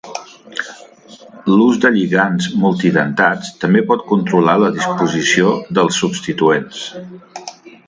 L'ús de lligands multidentats també pot controlar la disposició dels substituents.